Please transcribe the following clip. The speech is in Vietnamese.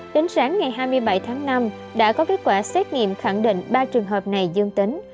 đến sáng ngày hai mươi bảy tháng năm đã có kết quả xét nghiệm khẳng định ba trường hợp này dương tính